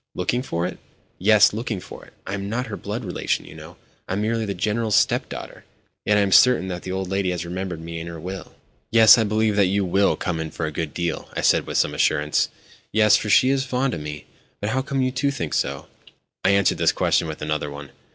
"Looking for it?" "Yes, looking for it. I am not her blood relation, you know—I am merely the General's step daughter. Yet I am certain that the old lady has remembered me in her will." "Yes, I believe that you will come in for a good deal," I said with some assurance. "Yes, for she is fond of me. But how come you to think so?" I answered this question with another one.